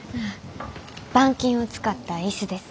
板金を使った椅子です。